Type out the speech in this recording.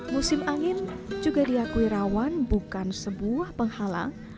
musim angin juga diakui rawan bukan sebuah penghalang